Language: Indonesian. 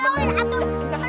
yang bener dong